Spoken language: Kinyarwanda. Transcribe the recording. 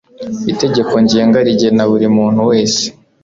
Itegeko Ngenga rigena buri muntu wese